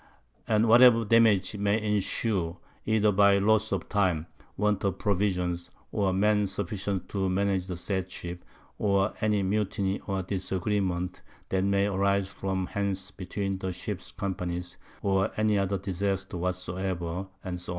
And whatever Damage may ensue, either by Loss of Time, Want of Provisions, or Men sufficient to manage the said Ship, or any Mutiny or Disagreement that may arise from hence between the Ships Companies, or any other Disaster whatsoever_, &c.